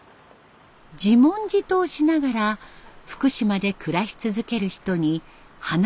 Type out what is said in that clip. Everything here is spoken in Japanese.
自問自答しながら福島で暮らし続ける人に話を聞きます。